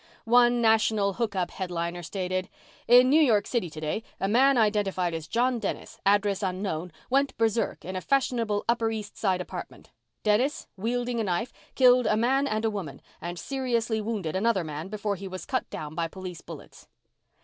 One national hookup headliner stated: "In New York City today, a man identified as John Dennis, address unknown, went berserk in a fashionable Upper East Side apartment. Dennis, wielding a knife, killed a man and a woman, and seriously wounded another man before he was cut down by police bullets.